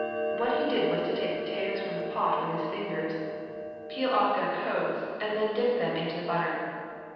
What he did was to take potatoes from the pot with his fingers, peel off their coats, and then dip them into the butter.